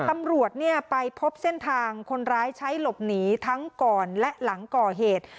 ตำรวจไปพบเส้นทางคนร้ายใช้หลบหนีทั้งก่อนและหลังก่อเหตุ